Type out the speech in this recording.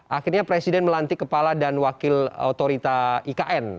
akhirnya presiden melantik kepala dan wakil otorita ikn